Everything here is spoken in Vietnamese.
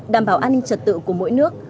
đảm bảo an ninh trật tự của mỗi nước